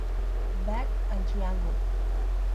Back y Triangle.